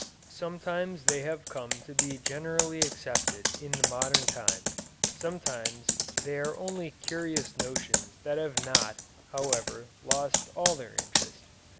Sometimes they have come to be generally accepted in the modern time, sometimes they are only curious notions that have not, however, lost all their interest.